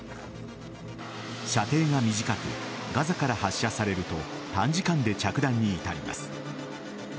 射程が短くガザから発射されると短時間で着弾に至ります。